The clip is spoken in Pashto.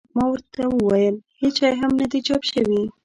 ما ورته وویل هېڅ شی هم نه دي چاپ شوي.